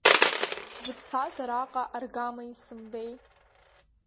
Шәзыԥсаз араҟа аргама исымбеи!